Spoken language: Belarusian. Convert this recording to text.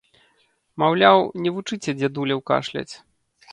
Маўляў, не вучыце дзядуляў кашляць!